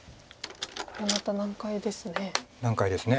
これまた難解ですね。